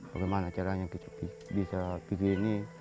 bagaimana caranya kita bisa begini